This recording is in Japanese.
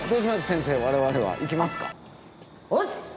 先生我々は。行きますか？